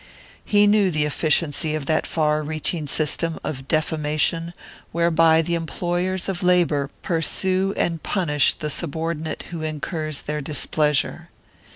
He knew the efficiency of that far reaching system of defamation whereby the employers of labour pursue and punish the subordinate who incurs their displeasure.